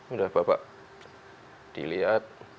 udah bapak dilihat